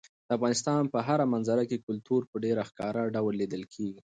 د افغانستان په هره منظره کې کلتور په ډېر ښکاره ډول لیدل کېږي.